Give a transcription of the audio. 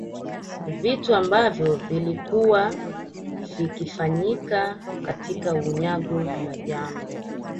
Vitu ambavyo vilikuwa vikifanyika katika unyago na jando